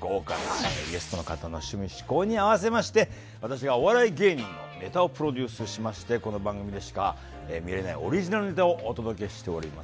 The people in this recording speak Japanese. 豪華なゲストの方の趣味嗜好に合わせまして私がお笑い芸人のネタをプロデュースしましてこの番組でしか見れないオリジナルネタをお届けしております。